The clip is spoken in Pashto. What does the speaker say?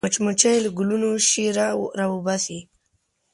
مچمچۍ له ګلونو شیره راوباسي